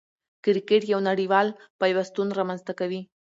کرکټ یو نړۍوال پیوستون رامنځ ته کوي.